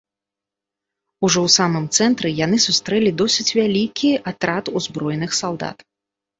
Ужо ў самым цэнтры яны сустрэлі досыць вялікі атрад узброеных салдат.